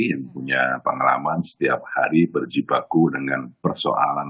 yang punya pengalaman setiap hari berjibaku dengan persoalan